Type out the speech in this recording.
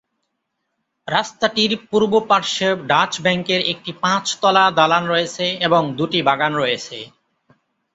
রাস্তাটির পূর্ব পার্শ্বে ডাচ ব্যাংকের একটি পাঁচ-তলা দালান রয়েছে এবং দুটি বাগান রয়েছে।